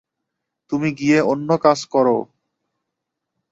তুমি গিয়ে অন্য কাজ করো।